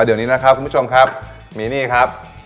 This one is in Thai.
เดี๋ยวนี้นะครับคุณผู้ชมครับมีนี่ครับ